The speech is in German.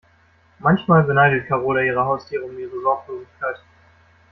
Manchmal beneidet Karola ihre Haustiere um ihre Sorglosigkeit.